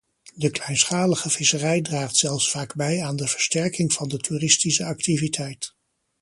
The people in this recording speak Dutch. De kleinschalige visserij draagt zelfs vaak bij aan de versterking van de toeristische activiteit.